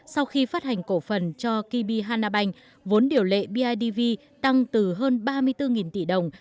sau khi phát hành cổ phần cho kb hanabank vốn điều lệ bidv tăng từ hơn ba mươi bốn tỷ đồng